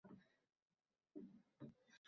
U etilsa mamlakat tartibga keladi.